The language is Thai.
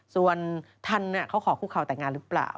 ส่วนท่านเขาขอคู่เขาแต่งงานหรือเปล่า